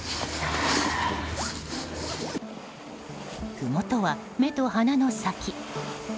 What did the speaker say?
ふもとは目と鼻の先。